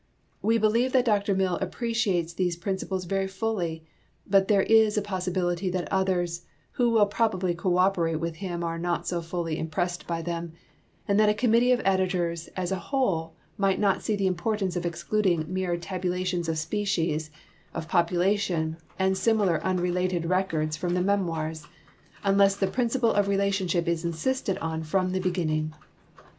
\Te believe that Dr Mill appreciates these principles very fully, but there is a possibilit}' that others who will probably cooperate with him are not so fully impressed by them, and that a committee of editors as a whole might not see the importance of excluding mere tabula tions of species, of population, and similar unrelated records from the memoirs, unless the principle of relationship is insisted on from the beginning.